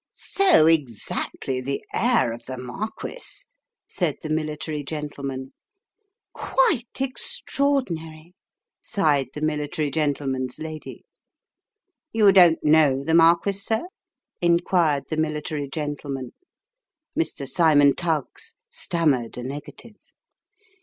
" So exactly the air of the marquis," said the military gentleman. " Quite extraordinary !" sighed the military gentleman's lady. " You don't know the marquis, sir ?" inquired the military gentle man. Mr. Cymon Tuggs stammered a negative.